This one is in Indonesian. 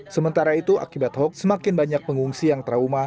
sementara itu akibat hoax semakin banyak pengungsi yang trauma